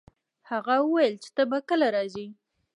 هغه وویل چي ته به کله راځي؟